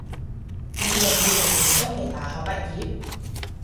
二零二零年都未大學畢業？